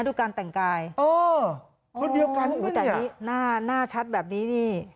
ดูการแต่งกายอ๋อเดียวกันมั้ยเนี่ยอ๋อแต่นี่หน้าหน้าชัดแบบนี้นี่